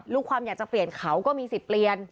ลูกความอยากจะเปลี่ยนเขาก็มีสิทธิ์เปลี่ยน